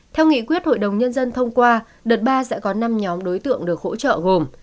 theo nghị quyết hội đồng nhân dân thông qua đợt ba sẽ có năm nhóm đối tượng được hỗ trợ gồm